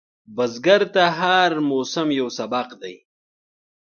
بزګر ته هر موسم یو سبق دی